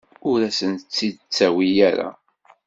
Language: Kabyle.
Ur asen-tt-id-ttawi ara.